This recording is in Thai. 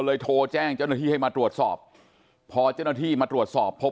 เลยโทรแจ้งเจ้านาธิให้มาตรวจสอบพอเจ้านาธิมาตรวจสอบพบ